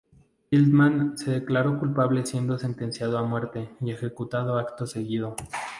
Feldman se declaró culpable, siendo sentenciado a muerte y ejecutado acto seguido.